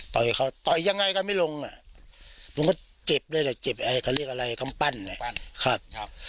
ต่อยเขาต่อยยังไงก็ไม่ลงเนี่ยมึงก็เจ็บเลยแต่เจ็บอะไรก็เรียกอะไรก็ปั้นเนี่ยครับ